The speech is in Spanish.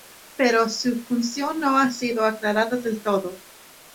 Pero su función no ha sido aclarada del todo.